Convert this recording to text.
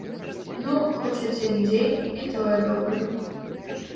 Ну, хоць адзін дзень, і тое добра.